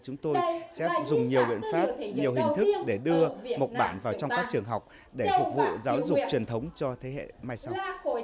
chúng tôi sẽ dùng nhiều biện pháp nhiều hình thức để đưa mộc bản vào trong các trường học để phục vụ giáo dục truyền thống cho thế hệ mai sau